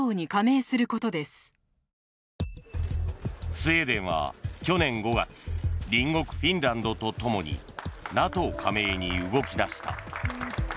スウェーデンは去年５月隣国フィンランドと共にＮＡＴＯ加盟に動き出した。